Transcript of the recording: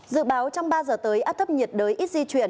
dự báo trong ba giờ tới áp thấp nhiệt đới ít di chuyển